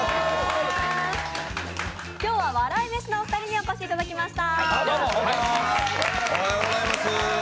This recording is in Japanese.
今日は笑い飯のお二人にお越しいただきました。